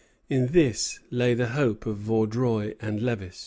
In this lay the hope of Vaudreuil and Lévis.